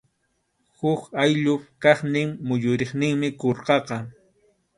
Huk ayllup kaqnin muyuriqninmi qurqaqa.